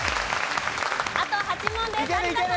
あと８問です。